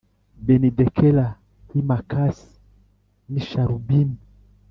Benidekera w’i Makasi n’i Shālubimu